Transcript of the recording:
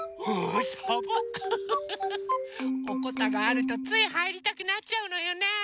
おこたがあるとついはいりたくなっちゃうのよね。